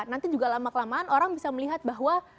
nanti juga lama kelamaan orang bisa melihat bahwa